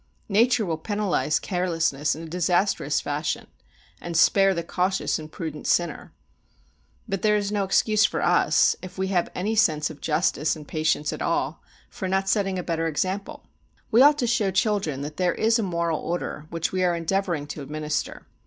Nature will penalise carelessness in a disastrous fashion, and spare the cautious and prudent sinner. But there is no excuse for us, if we have any sense of justice and patience at all, for not setting a better example. We ought to show children that there is a moral order which we are endeavouring to administer.